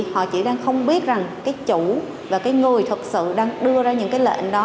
họ chỉ đang không biết rằng cái chủ và cái người thật sự đang đưa ra những cái lệnh đó